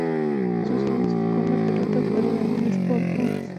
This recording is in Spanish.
Sus inicios con la pelota fueron en el Sport Boys.